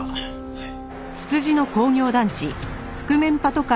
はい。